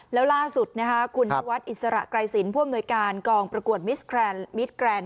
แล้วล่าสุดคุณพอิสระไกรศิลป์พ่วงโดยการกองประกวดมิสแกรนด์